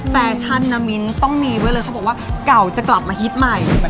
แฟชั่นนะมิ้นต้องมีไว้เลยเขาบอกว่าเก่าจะกลับมาฮิตใหม่